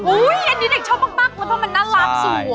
อุ๊ยอันนี้เด็กชอบมากแล้วทำให้มันน่ารักสวย